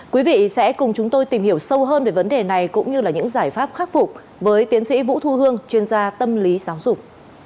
quý vị sẽ cùng chúng tôi tìm hiểu sâu hơn về vấn đề này cũng như là những giải pháp khắc phục với tiến sĩ vũ thu hương chuyên gia tâm lý giáo dục